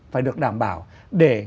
phải được đảm bảo để